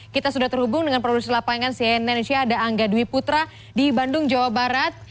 kita sudah terhubung dengan produser lapangan cnn indonesia ada angga dwi putra di bandung jawa barat